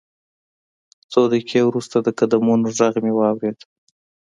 څو دقیقې وروسته د قدمونو غږ مې واورېد